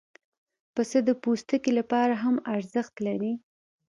پسه د پوستکي لپاره هم ارزښت لري.